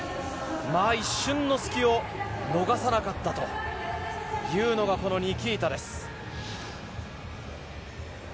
一瞬の隙を逃さなかったというのがこのニキータです。